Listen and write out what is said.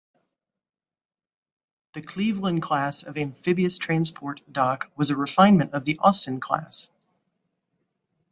The "Cleveland" class of amphibious transport dock was a refinement of the "Austin" class.